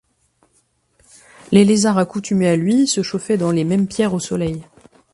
Les lézards, accoutumés à lui, se chauffaient dans les mêmes pierres au soleil.